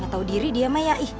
gak tahu diri dia mah ya ih